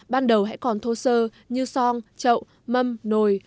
ban đầu hãy còn thô sơ như son trậu mâm nồi